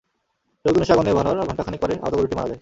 লোকজন এসে আগুন নেভানোর ঘণ্টা খানেক পরে আহত গরুটি মারা যায়।